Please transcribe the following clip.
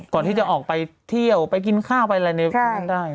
ก่อนที่จะออกไปเที่ยวไปกินข้าวไปอะไรในนั้นได้